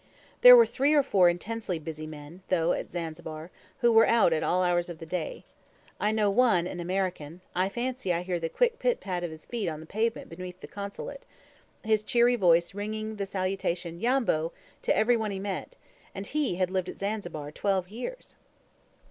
There were three or four intensely busy men, though, at Zanzibar, who were out at all hours of the day. I know one, an American; I fancy I hear the quick pit pat of his feet on the pavement beneath the Consulate, his cheery voice ringing the salutation, "Yambo!" to every one he met; and he had lived at Zanzibar twelve years.